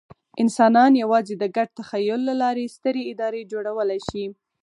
انسانان یواځې د ګډ تخیل له لارې سترې ادارې جوړولی شي.